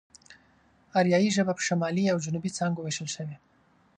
آريايي ژبه په شمالي او جنوبي څانگو وېشل شوې.